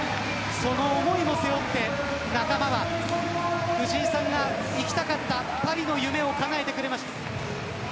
その思いも背負って仲間が、藤井さんが行きたかったパリの夢をかなえてくれます。